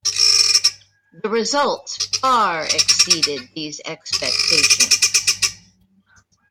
The results far exceeded these expectations.